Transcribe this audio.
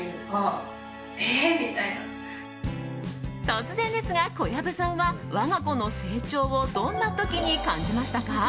突然ですが、小藪さんは我が子の成長をどんな時に感じましたか？